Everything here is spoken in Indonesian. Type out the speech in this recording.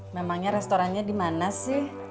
memangnya restorannya dimana sih